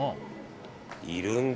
いるんだ